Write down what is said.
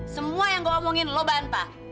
semua yang gue omongin lo bantah